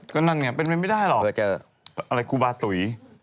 ก็นั่นเป็นไม่ได้หรอกอะไรกุบาตุ๋ย